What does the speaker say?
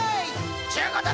っちゅうことで。